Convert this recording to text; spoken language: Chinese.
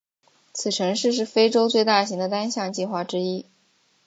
此城市是非洲最大型的单项计划之一。